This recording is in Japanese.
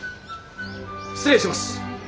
失礼します！